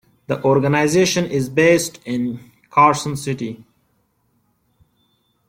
The organization is based in Carson City.